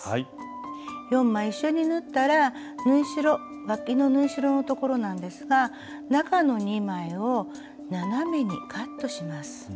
４枚一緒に縫ったらわきの縫い代の所なんですが中の２枚を斜めにカットします。